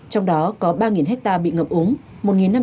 trong đó có ba hecta bị ngập ống